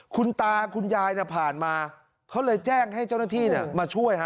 คุณตาคุณยายน่ะผ่านมาเค้าเลยแจ้งให้เจ้าหน้าที่เนี่ยมาช่วย